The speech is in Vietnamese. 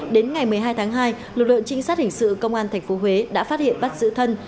đến ngày một mươi hai tháng hai lực lượng trinh sát hình sự công an tp huế đã phát hiện bắt giữ thân